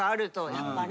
やっぱね。